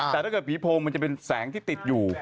แต่ถ้าเกิดผีโพงมันจะเป็นแสงที่ติดอยู่